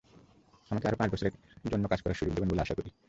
আমাকে আরও পাঁচ বছরের জন্য কাজ করার সুযোগ দেবেন বলে আশা করি।